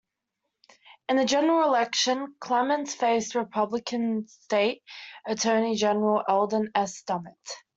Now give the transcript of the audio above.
In the general election, Clements faced Republican state attorney general Eldon S. Dummit.